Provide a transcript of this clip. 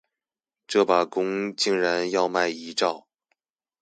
這把弓竟然要賣一兆